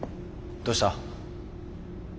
どうした？